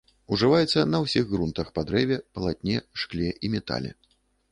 Ужываецца на ўсіх грунтах па дрэве, палатне, шкле і метале.